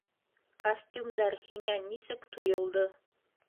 Костюмдар һиңә нисек тойолдо?